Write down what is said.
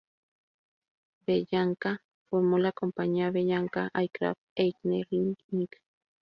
Bellanca formó la compañía Bellanca Aircraft Engineering Inc.